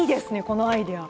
このアイデア。